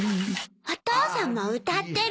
お父さんも歌ってる。